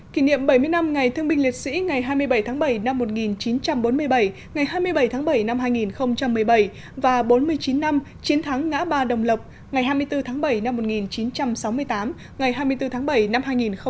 kỷ niệm bảy mươi năm ngày thương binh liệt sĩ ngày hai mươi bảy tháng bảy năm một nghìn chín trăm bốn mươi bảy ngày hai mươi bảy tháng bảy năm hai nghìn một mươi bảy và bốn mươi chín năm chiến thắng ngã ba đồng lộc ngày hai mươi bốn tháng bảy năm một nghìn chín trăm sáu mươi tám ngày hai mươi bốn tháng bảy năm hai nghìn một mươi chín